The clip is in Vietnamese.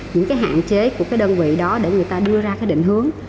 những cái hạn chế của cái đơn vị đó để người ta đưa ra cái định hướng